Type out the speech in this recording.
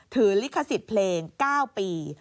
ลิขสิทธิ์เพลง๙ปี